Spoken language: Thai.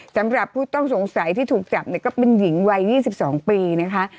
สำหรับผู้ต้องสงสัยที่ถูกจับเนี่ยก็เป็นหญิงวัย๒๒ปีนะคะ